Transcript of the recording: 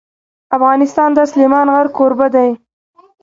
افغانستان د سلیمان غر کوربه دی.